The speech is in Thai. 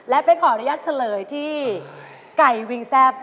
เป๊กขออนุญาตเฉลยที่ไก่วิงแซ่บ